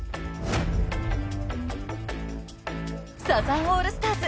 ［サザンオールスターズ